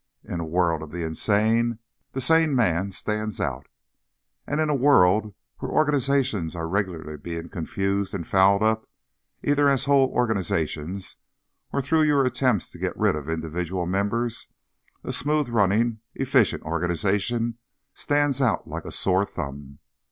In a world of the insane, the sane man stands out._ _And in a world where organizations are regularly being confused and fouled up—either as whole organizations, or through your attempts to get rid of individual members—a smooth running, efficient organization stands out like a sore thumb.